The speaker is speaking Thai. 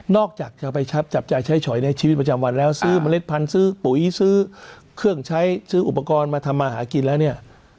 อกจากจะไปชับจับจ่ายใช้ฉอยในชีวิตประจำวันแล้วซื้อเมล็ดพันธุ์ซื้อปุ๋ยซื้อเครื่องใช้ซื้ออุปกรณ์มาทำมาหากินแล้วเนี่ย